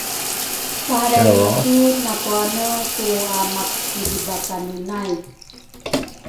palraingisu nakuane ku amakilibakanenai.